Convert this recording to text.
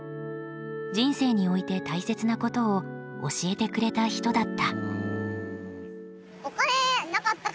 人生において大切なことを教えてくれた人だった。